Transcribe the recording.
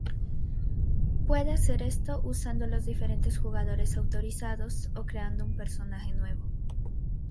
Puede hacer esto usando los diferentes jugadores autorizados o creando un personaje nuevo.